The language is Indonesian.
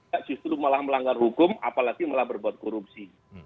ya justru malah melanggar hukum apalagi malah berbuat korupsi